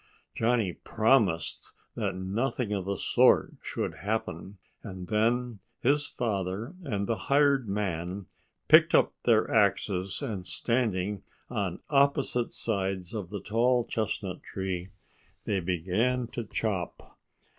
Johnnie promised that nothing of the sort should happen. And then his father and the hired man picked up their axes; and standing on opposite sides of the tall chestnut tree, they began to chop.